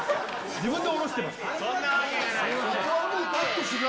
自分で下ろしてました。